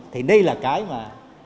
thì đây là cái mà